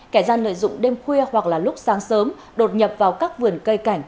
kẻ gian lợi dụng đêm khuya hoặc là lúc sáng sớm đột nhập vào các vườn cây cảnh